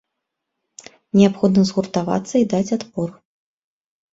Неабходна згуртавацца і даць адпор.